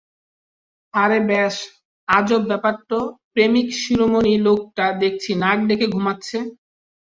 আরে ব্যস, আজব ব্যাপার তো, প্রেমিকশিরোমণি লোকটা দেখছি নাক ডেকে ঘুমাচ্ছে।